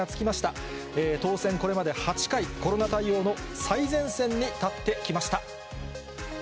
これまで８回、コロナ対応の最前線に立ってきました。